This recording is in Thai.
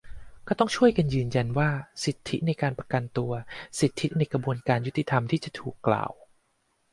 ก็ต้องช่วยกันยืนยันว่า สิทธิในการประกันตัว สิทธิในกระบวนการยุติธรรมที่จะถูกกล่าว